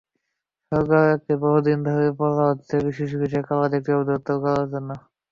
সরকারকে বহু দিন ধরে বলা হচ্ছে শিশুবিষয়ক আলাদা একটি অধিদপ্তর করার জন্য।